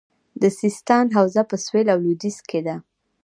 د سیستان حوزه په سویل لویدیځ کې ده